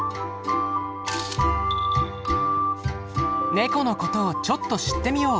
猫のことをちょっと知ってみよう。